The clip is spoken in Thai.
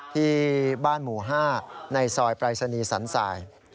ที่บ้านหมู่๕ในซอยปรายศนีย์สันสาย